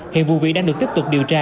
hiện vụ vị đang được tiếp tục điều tra